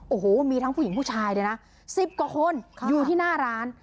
โอ้โหมีทั้งผู้หญิงผู้ชายเนี่ยนะ๑๐กว่าคนอยู่ที่หน้าร้าน